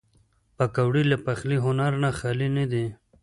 پکورې له پخلي هنر نه خالي نه دي